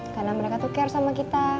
karena mereka tuh care sama kita